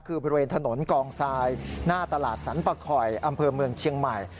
คือบริเวณถนนกองทรายหน้าตลาดสรรปะคอยอำเภอเมืองเชียงใหม่